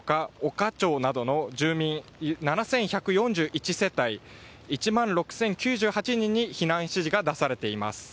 岡町などの住民７１４１世帯１万６０９８人に避難指示が出されています。